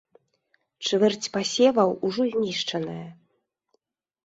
Чвэрць пасеваў ужо знішчаная.